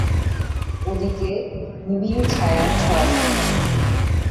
ওদিকে নিবিড় ছায়ার ছড়াছড়ি।